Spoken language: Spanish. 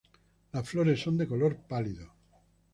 Las flores son de color pálido.